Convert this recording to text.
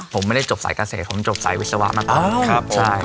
ผมไม่ได้จบใส่เกษตรผมจบใส่วิศวะมากกว่า